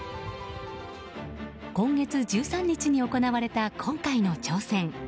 今月１３日に行われた今回の挑戦。